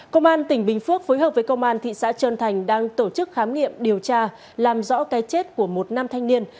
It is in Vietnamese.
công an tỉnh bình phước phối hợp với công an thị xã trơn thành đang tổ chức khám nghiệm điều tra làm rõ cái chết của một nam thanh niên